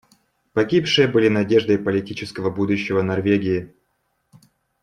Погибшие были надеждой политического будущего Норвегии.